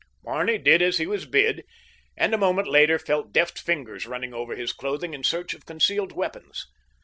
Barney did as he was bid and a moment later felt deft fingers running over his clothing in search of concealed weapons.